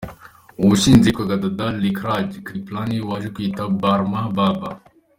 Uwawushinze yitwaga Dada Lekhraj Kripalani, waje kwitwa Brahma Baba.